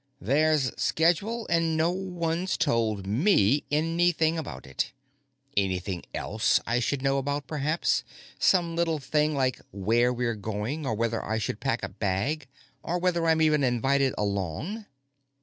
There's schedule, and no one's told me anything about it. Anything else I should know about, perhaps? Some little thing like where we're going, or whether I should pack a bag, or whether I'm even invited along?"